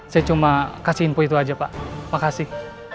saya cuma kasih info itu aja pak makasih